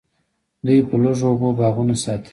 دوی په لږو اوبو باغونه ساتي.